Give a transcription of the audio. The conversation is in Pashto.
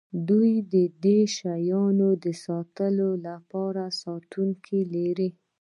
دوی د دې شیانو د ساتلو لپاره ساتونکي لري